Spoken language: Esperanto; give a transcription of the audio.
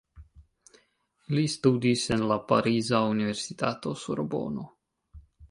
Li studis en la pariza universitato Sorbono.